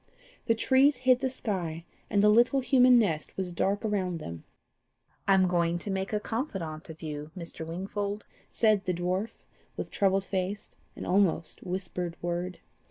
The trees hid the sky, and the little human nest was dark around them. "I am going to make a confidant of you, Mr. Wingfold," said the dwarf, with troubled face, and almost whispered word.